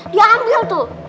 dia ambil tuh